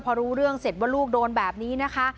พอรู้เรื่องเสร็จว่าลูกโดนแบบนี้นะคะ